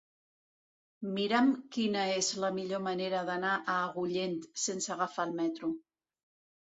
Mira'm quina és la millor manera d'anar a Agullent sense agafar el metro.